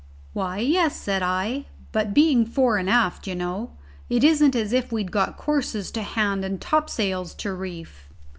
"Why, yes," said I; "but being fore and aft, you know! It isn't as if we'd got courses to hand and topsails to reef."